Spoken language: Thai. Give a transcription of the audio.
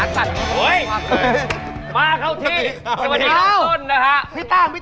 กั้นมันมีทางร้าย